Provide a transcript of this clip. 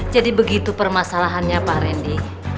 jadi begitu permasalahannya pak randy